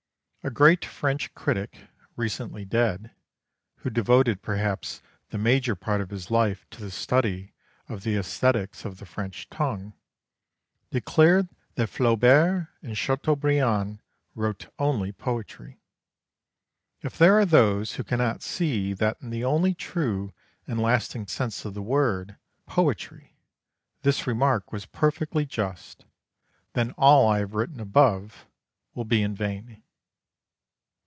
A great French critic, recently dead, who devoted perhaps the major part of his life to the study of the æsthetics of the French tongue, declared that Flaubert and Chateaubriand wrote only poetry. If there are those who cannot see that in the only true and lasting sense of the word poetry, this remark was perfectly just, then all I have written above will be in vain.